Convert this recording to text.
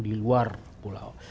di luar pulau